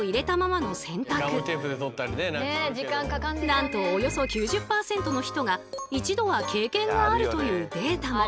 なんとおよそ９０％の人が一度は経験があるというデータも。